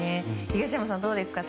東山さん、どうですか。